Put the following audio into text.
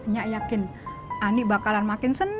nyak yakin ani bakalan makin seneng